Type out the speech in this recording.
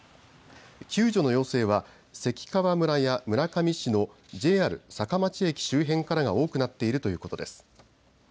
救助の要請は関川村や村上市のＪＲ坂町駅周辺からが多くなっているということです。